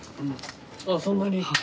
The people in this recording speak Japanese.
あっそんなに。